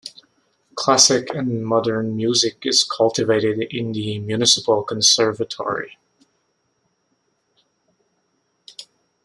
Classic and modern music is cultivated in the municipal conservatory.